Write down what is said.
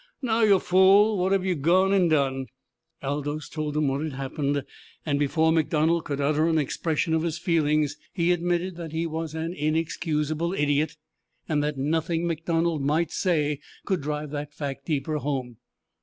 Now, yo' fool, what have yo' gone an' done?" Aldous told him what had happened, and before MacDonald could utter an expression of his feelings he admitted that he was an inexcusable idiot and that nothing MacDonald might say could drive that fact deeper home.